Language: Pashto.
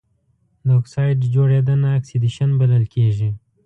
د اکسايډ جوړیدنه اکسیدیشن بلل کیږي.